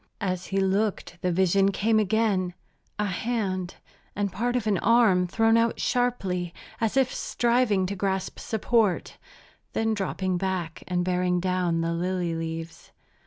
As he looked the vision came again, a hand, and part of an arm, thrown out sharply as if striving to grasp support, then dropping back and bearing down the lily leaves.